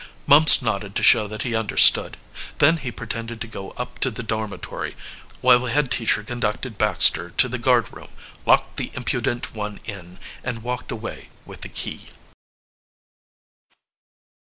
Mumps nodded to show that he understood. Then he pretended to go up to the dormitory, while the head teacher conducted Baxter to the guardroom, locked the impudent one in, and walked away with the key.